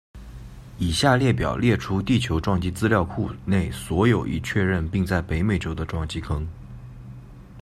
以下列表列出地球撞击资料库内所有已确认并在北美洲的撞击坑。